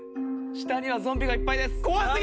下にはゾンビがいっぱいです。